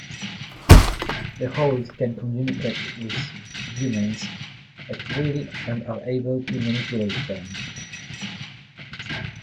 The holes can communicate with humans at will and are able to manipulate them.